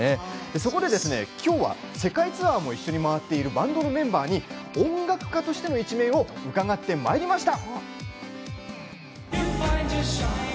そこできょうは世界ツアーも一緒に回っているバンドのメンバーに音楽家としての一面を伺ってまいりました。